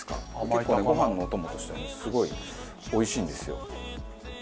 結構ねご飯のお供としてもすごいおいしいんですよ。